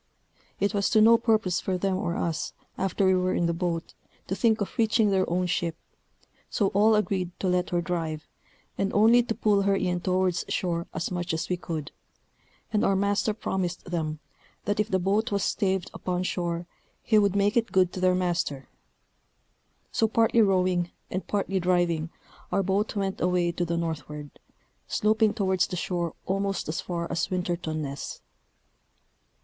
It was to no purpose for them or us, after we were in the boat, to think of reaching their own ship; so all agreed to let her drive, and only to pull her in towards shore as much as we could; and our master promised them, that if the boat was staved upon shore, he would make it good to their master: so partly rowing, and partly driving, our boat went away to the northward, sloping towards the shore almost as far as Winterton Ness.